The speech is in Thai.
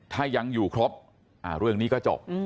ถ้ายังอยู่ครบเรื่องนี้ก็จบ